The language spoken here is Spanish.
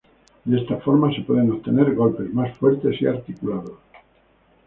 De esta forma, se pueden obtener golpes más fuertes y articulados.